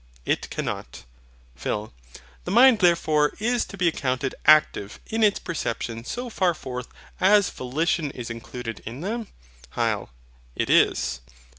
It cannot. PHIL. The mind therefore is to be accounted ACTIVE in its perceptions so far forth as VOLITION is included in them? HYL. It is.